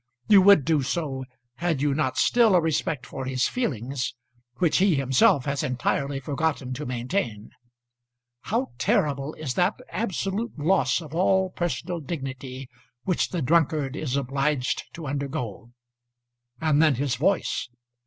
You would do so, had you not still a respect for his feelings, which he himself has entirely forgotten to maintain. How terrible is that absolute loss of all personal dignity which the drunkard is obliged to undergo! And then his voice!